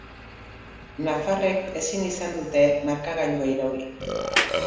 Nafarrek ezin izan dute markagailua irauli.